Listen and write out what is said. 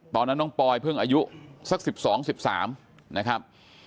ตอนนั้นน้องปอยเพิ่งอายุสัก๑๒๑๓นะครับ